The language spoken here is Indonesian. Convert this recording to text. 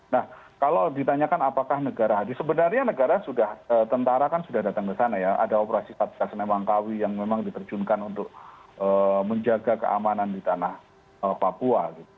nah kalau ditanyakan apakah negara hadir sebenarnya negara sudah tentara kan sudah datang ke sana ya ada operasi satgas newangkawi yang memang diterjunkan untuk menjaga keamanan di tanah papua